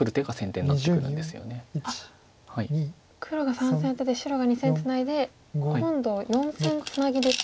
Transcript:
あっ黒が３線アテて白が２線ツナいで今度４線ツナギですか。